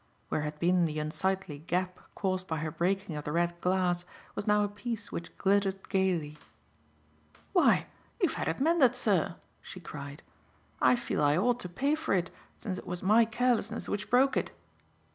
Where had been the unsightly gap caused by her breaking of the red glass was now a piece which glittered gaily. "Why, you've had it mended, sir," she cried. "I feel I ought to pay for it, since it was my carelessness which broke it."